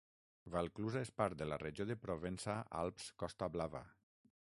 Valclusa és part de la regió de Provença-Alps-Costa Blava.